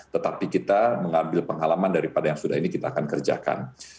tetapi kita mengambil pengalaman daripada yang sudah ini kita akan kerjakan